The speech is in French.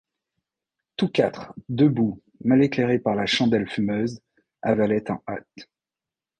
Tous quatre, debout, mal éclairés par la chandelle fumeuse, avalaient en hâte.